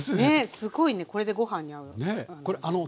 すごいねこれでご飯に合うの。